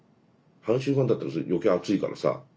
阪神ファンだったら余計熱いからさ。